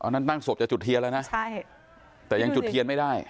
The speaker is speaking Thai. นั่งศพจะจุดเทียแล้วนะแต่อันจุดเทียไม่ได้